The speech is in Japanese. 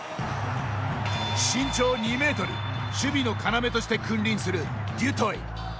身長２ｍ守備の要として君臨するデュトイ。